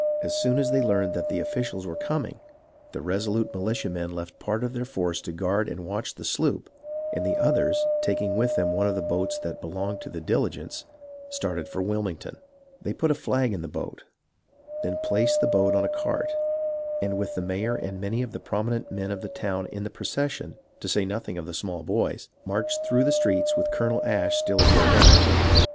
As soon as they learned that the officials were coming, the resolute militia men left a part of their force to guard and watch the sloop, and the others, taking with them one of the boats that belonged to the Diligence, started for Wilmington. They put a flag in the boat, then placed the boat on a cart, and with the mayor and many of the prominent men of the town in the procession, to say nothing of the small boys, marched through the streets with Colonel Ashe still at their head.